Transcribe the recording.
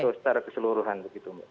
itu secara keseluruhan begitu mbak